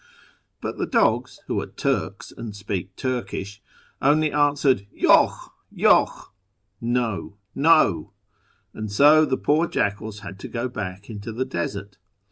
But the dogs, who are Turks and speak Turkish, only answered ' Yokh ! Yohh !'(' No ! no !') and so the poor jackals had to go back into the desert.